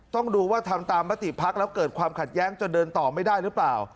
ต้องดูว่าทำตามมติพักแล้วเกิดความขัดแย้งจนเดินต่อไม่ได้หรือเปล่า